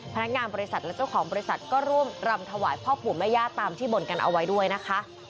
พนักงานบริษัทและเจ้าของบริษัทก็ร่วมรำถวายพ่อปู่แม่ย่าตามที่บ่นกันเอาไว้ด้วยนะคะ